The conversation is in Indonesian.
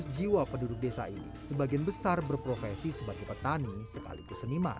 lima ratus jiwa penduduk desa ini sebagian besar berprofesi sebagai petani sekaligus seniman